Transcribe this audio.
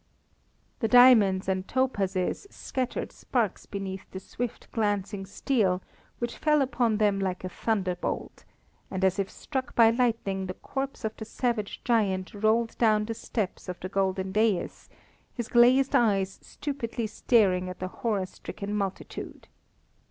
The diamonds and topazes scattered sparks beneath the swift glancing steel which fell upon them like a thunderbolt, and as if struck by lightning the corpse of the savage giant rolled down the steps of the golden daïs, his glazed eyes stupidly staring at the horror stricken multitude.